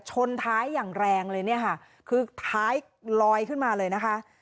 ชนท้ายอย่างแรงเลยเนี่ยค่ะคือท้ายลอยขึ้นมาเลยนะคะ